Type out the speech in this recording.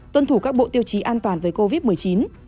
tuân thủ các bộ tiêu chí an toàn với covid một mươi chín